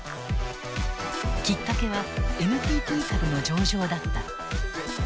きっかけはＮＴＴ株の上場だった。